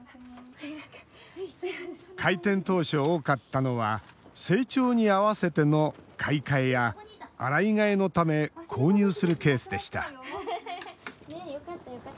開店当初、多かったのは成長に合わせての買い替えや洗い替えのため購入するケースでした。